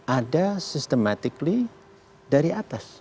ada sistematik dari atas